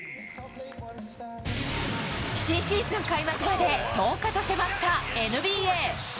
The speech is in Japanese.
新シーズン開幕まで１０日と迫ったＮＢＡ。